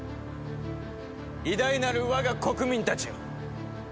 偉大なる我が国民たちよ！